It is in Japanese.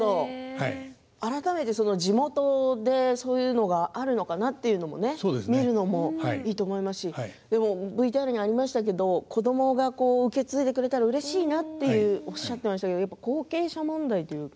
改めて地元でそういうのがあるのかなと見るのもいいと思いますしＶＴＲにありましたけれど子どもが受け継いでくれたらうれしいなとおっしゃってましたけれどもやっぱり後継者問題というか。